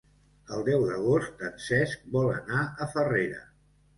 El deu d'agost en Cesc vol anar a Farrera.